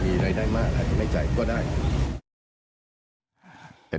มีรายได้มากจนก็ได้